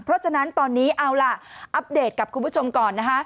เพราะฉะนั้นตอนนี้อัปเดตกับคุณผู้ชมก่อน